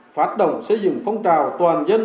phát động xây dựng phong trào toàn dân